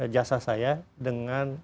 jasa saya dengan